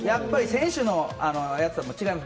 先週のやつとは違います。